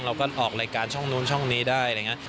เราก็ออกรายการช่องนู้นช่องนี้ได้อะไรอย่างนี้